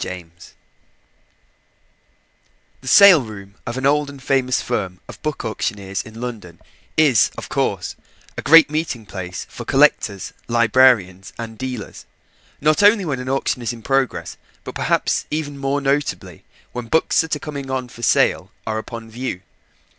POYNTER The sale room of an old and famous firm of book auctioneers in London is, of course, a great meeting place for collectors, librarians, dealers: not only when an auction is in progress, but perhaps even more notably when books that are coming on for sale are upon view.